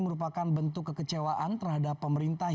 merupakan bentuk kekecewaan terhadap pemerintah